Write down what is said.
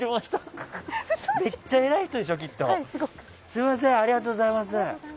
すみませんありがとうございます。